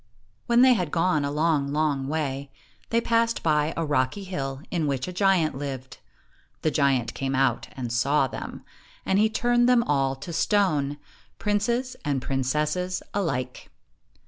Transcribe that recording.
i io When they had gone a long, long way, they passed by a rocky hill in which a giant lived. The giant came out and saw them, and he turned them all to stone, princes and princesses alike.